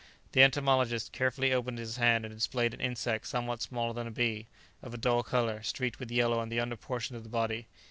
The entomologist carefully opened his hand and displayed an insect somewhat smaller than a bee, of a dull colour, streaked with yellow on the under portion of the body.